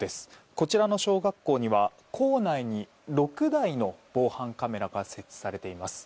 こちらの小学校には校内に６台の防犯カメラが設置されています。